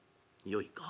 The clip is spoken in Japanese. よいか。